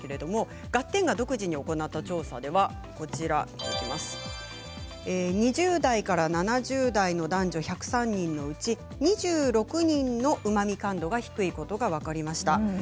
「ガッテン！」が独自に行った調査では、２０代から７０代の男女１０３人のうち２６人のうまみ感度が低いことが分かりました。